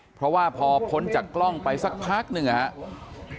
เพราะว่าพอพ้นจากกล้องไปสักพักหนึ่งนะครับ